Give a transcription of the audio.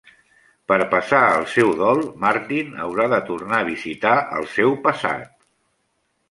Per passar el seu dol, Martin haurà de tornar a visitar el seu passat.